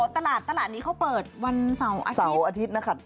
อ๋อตลาดนี้เขาเปิดวันเสาร์อาทิตย์นะครับ